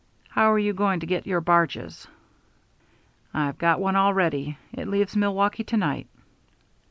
How are you going to get your barges?" "I've got one already. It leaves Milwaukee to night."